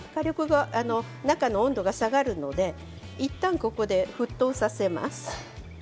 中の温度が下がるのでいったん、ここで沸騰させます。